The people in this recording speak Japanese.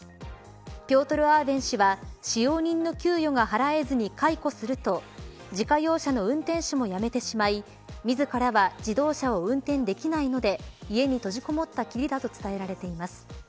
ピョートル・アーベン氏は使用人の給与が払えずに解雇すると自家用車の運転手も辞めてしまい自らは自動車を運転できないので家に閉じこもったきりだと伝えられています。